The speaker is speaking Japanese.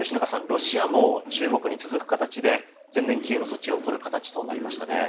ロシアも中国に続く形で全面禁輸の措置を取る形となりましたね。